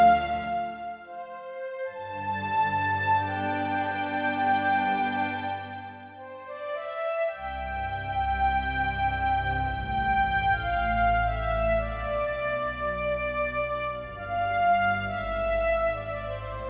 eh kamu selalu nginep aku terus ya